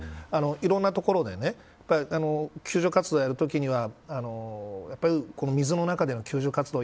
いろんなところで救助活動をやるときにはやっぱり水の中での救助活動